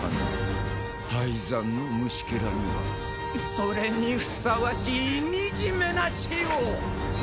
敗残の虫けらにはそれにふさわしい惨めな死を！